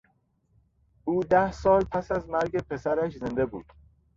او ده سال پس از مرگ پسرش زنده بود.